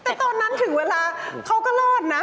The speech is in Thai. แต่ตอนนั้นถึงเวลาเขาก็รอดนะ